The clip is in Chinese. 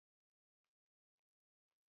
巴芬岛主要居民是因纽特人。